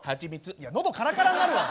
いや喉カラカラになるわ！